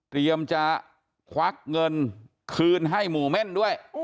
เตรียมจะควักเงินคืนให้มูเม้นท์ด้วย